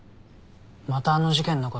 またあの事件の事？